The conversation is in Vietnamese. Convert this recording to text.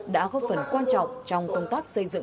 đã góp phần quan trọng trong công tác xây dựng